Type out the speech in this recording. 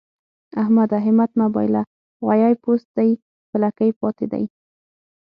احمده! همت مه بايله؛ غويی پوست دی په لکۍ پاته دی.